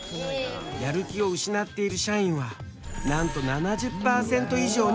やる気を失っている社員はなんと７０％以上に上る。